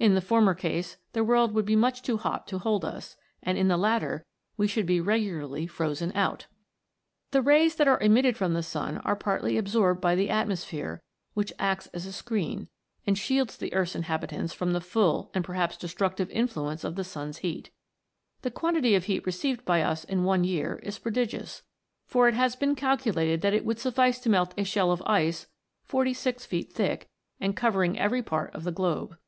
In the former case the world would be much too hot to hold us, and in the latter we should be regularly frozen out ! The rays that are emitted from the sun are partly absorbed by the atmosphere, which acts as a screen, and shields the earth's inhabitants from the full and perhaps destructive influence of the sun's heat. The quantity of heat received by us in one year is prodigious, for it has been calculated that it would suffice to melt a shell of ice forty six feet thick, and covering every part of the globe.